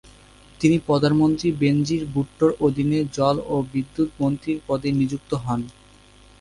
তিনি প্রধানমন্ত্রী বেনজির ভুট্টোর অধীনে জল ও বিদ্যুৎ মন্ত্রীর পদে নিযুক্ত হন।